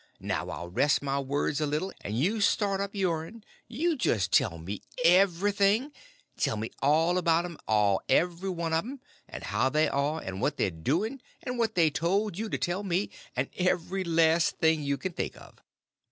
Now I'll rest my works a little, and you start up yourn; just tell me everything—tell me all about 'm all every one of 'm; and how they are, and what they're doing, and what they told you to tell me; and every last thing you can think of."